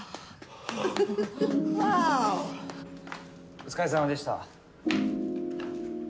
お疲れさまでした。